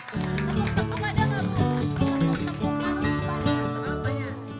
tepuk tepuk tepuk tepuk tepuk tepuk tepuk tepuk tepuk tepuk tepuk tepuk tepuk tepuk tepuk